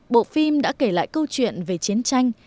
bộ phim đã kể lại câu chuyện về chiến tranh